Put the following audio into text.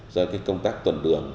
do cái công tác tuần đường